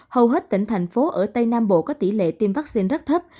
hầu hết tỉnh thành phố ở tây nam bộ có tỷ lệ tiêm vaccine rất thấp